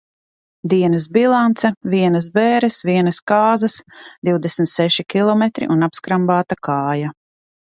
Dienas bilance: Vienas bēres, vienas kāzas, divdesmit seši kilometri un apskrambāta kāja.